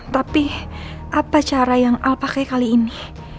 tapi apa cara yang al pakai kali ini